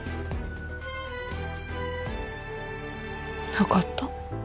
分かった。